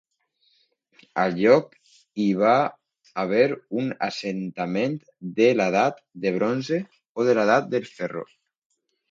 Al lloc hi va haver un assentament de l'edat del bronze o de l'edat del ferro.